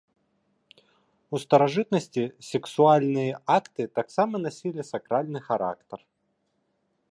У старажытнасці сексуальныя акты таксама насілі сакральны характар.